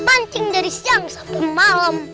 mancing dari siang sampe malem